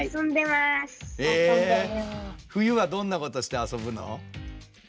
冬はどんなことして遊ぶの？